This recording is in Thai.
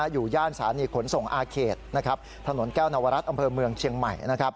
ย่านสถานีขนส่งอาเขตถนนแก้วนวรัฐอำเภอเมืองเชียงใหม่